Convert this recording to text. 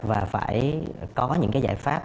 và phải có những giải pháp